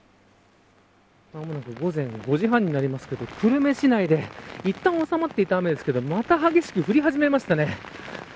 間もなく午前５時半になりますけれど久留米市内でいったん収まっていた雨ですけどまた激しく降り始めましたね。